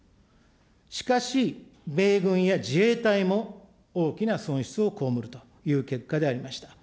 しかし、米軍や自衛隊も大きな損失を被るという結果でありました。